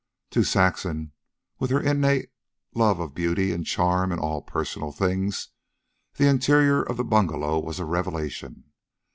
To Saxon, with her innate love of beauty and charm in all personal things, the interior of the bungalow was a revelation.